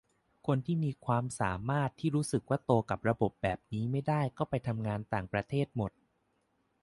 คนมีความสามารถที่รู้สึกว่าโตกับระบบแบบนี้ไม่ได้ก็ไปทำงานต่างประเทศหมด